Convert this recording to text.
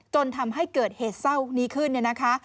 จนทำให้เกิดเหตุเศร้านี้ขึ้นเนี่ยนะคะ